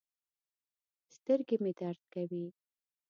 سترګې مې درد کوي